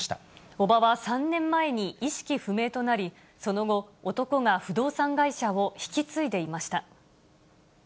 叔母は３年前に意識不明となり、その後、男が不動産会社を引き継いでいました。